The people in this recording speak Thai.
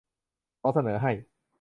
ขอเสนอให้